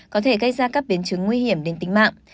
có thể gây ra các biến chứng nguy hiểm đến tính mạng